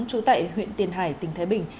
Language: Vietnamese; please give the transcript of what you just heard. trú tại huyện tiền hải tỉnh thái bình